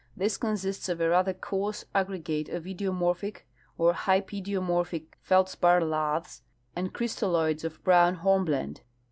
This consists of a rather coarse aggregate of idiomorphic or hypidiomorphic feldspar laths and crystalloids of brown horn blende.